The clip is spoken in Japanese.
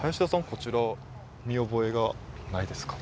こちら見覚えがないですか？